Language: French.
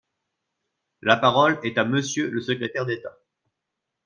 La parole est à Monsieur le secrétaire d’État.